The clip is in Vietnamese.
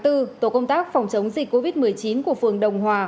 tổ công tác phòng chống dịch covid một mươi chín của phường đồng hòa